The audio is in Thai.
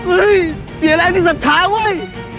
อี้้เสียไรอย่างนี้สัปตาคเว้ย